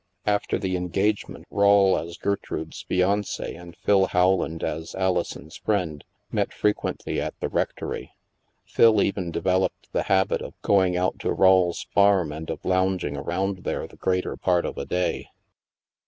After the engagement, Rawle as Gertrude's fiance and Phil Rowland as Alison's friend, met frequently at the rectory. Phil even developed the habit of going out to Rawle's farm and of lounging around there the greater part of a day.